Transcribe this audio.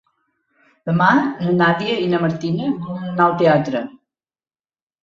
Demà na Nàdia i na Martina volen anar al teatre.